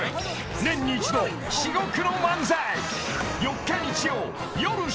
［年に一度至極の漫才］